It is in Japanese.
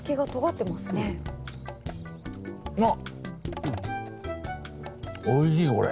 あっおいしいよこれ。